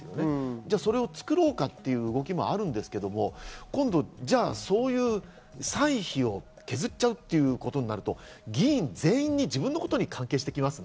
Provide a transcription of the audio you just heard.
じゃあ、それを作ろうかっていう動きもあるんですけど、歳費を削っちゃうっていうことになると議員全員に自分のことに関係してきますね。